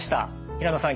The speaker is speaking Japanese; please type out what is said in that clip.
平能さん